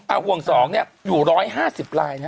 ห่วง๒เนี่ยอยู่๑๕๐ลายนะ